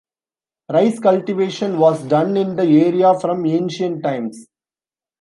Rice cultivation was done in the area from ancient times.